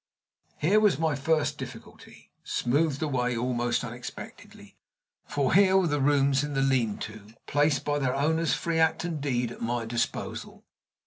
Here was my first difficulty smoothed away most unexpectedly; for here were the rooms in the lean to placed by their owner's free act and deed at my disposal.